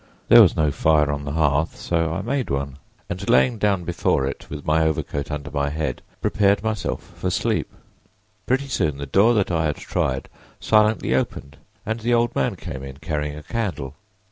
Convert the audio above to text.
There was no fire on the hearth, so I made one and laying down before it with my overcoat under my head, prepared myself for sleep. Pretty soon the door that I had tried silently opened and the old man came in, carrying a candle.